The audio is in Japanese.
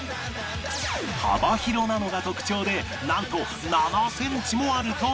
幅広なのが特徴でなんと７センチもあるという